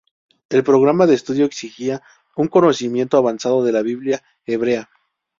El programa de estudio exigía un conocimiento avanzado de la Biblia hebrea.